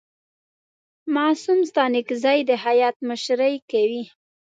معصوم ستانکزی د هیات مشري کوي.